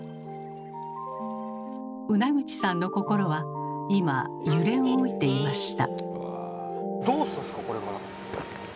ウナグチさんの心は今揺れ動いていました。